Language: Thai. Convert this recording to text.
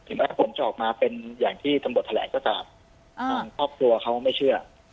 ถึงว่าถ้าผมจะออกมาเป็นอย่างที่ทำบทแหลกก็ตามครอบครัวเขาไม่เชื่อ